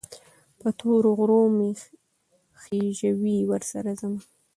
په تورو غرو مې خېژوي، ورسره ځمه